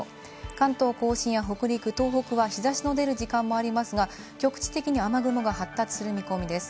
関東甲信や北陸、東北は日差しの出る時間もありますが、局地的に雨雲が発達する見込みです。